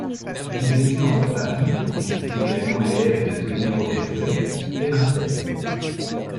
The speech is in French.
Il vécut entre Paris, où il fut également élève de Tony Robert-Fleury, et Marseille.